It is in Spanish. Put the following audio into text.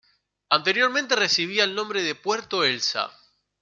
Anteriormente recibía el nombre de Puerto Elsa.